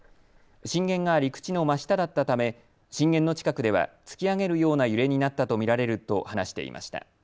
震源が陸地の真下だったため震源の近くでは突き上げるような揺れになったと見られると話していました。